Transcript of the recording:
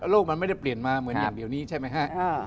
มันไม่ได้เปลี่ยนมาเหมือนอย่างเดี๋ยวนี้ใช่ไหมฮะ